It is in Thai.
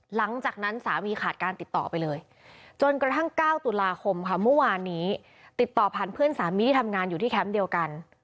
หลังจากนั้นสามีขาดการติดต่อไปเลยจนกระทั่ง๙ตุลาคมค่ะเมื่อวานนี้ติดต่อผ่านเพื่อนสามีที่ทำงานอยู่ที่แคมป์เดียวกัน